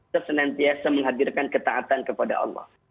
tersenantiasa menghadirkan ketaatan kepada allah